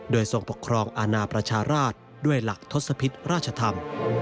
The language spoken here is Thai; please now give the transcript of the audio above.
โดยทรงปกครองอาณาประชาราชด้วยหลักทศพิษราชธรรม